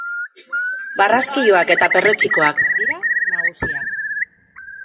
Barraskiloak eta perretxikoak dira nagusiak.